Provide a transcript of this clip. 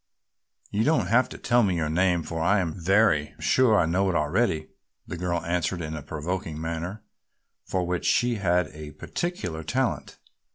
"You don't have to tell me your name for I am very sure I know it already," the girl answered in a provoking manner, for which she had a peculiar talent.